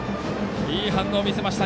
いい反応を見せました